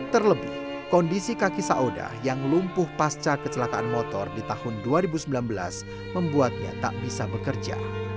terlebih kondisi kaki saudah yang lumpuh pasca kecelakaan motor di tahun dua ribu sembilan belas membuatnya tak bisa bekerja